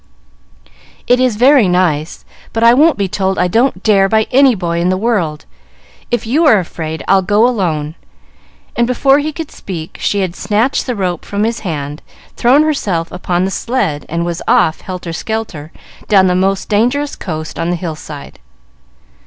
"It is very nice, but I won't be told I don't 'dare' by any boy in the world. If you are afraid, I'll go alone." And, before he could speak, she had snatched the rope from his hand, thrown herself upon the sled, and was off, helter skelter, down the most dangerous coast on the hill side.